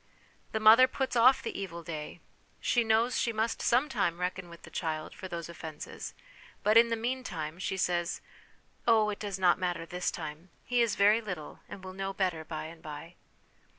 The mother puts off the evil day : she knows she must sometime reckon with the child for those offences, but in the meantime she says, " Oh, it does not matter this time ; he is very little, and will know better by and by."